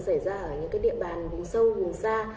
xảy ra ở những địa bàn vùng sâu vùng xa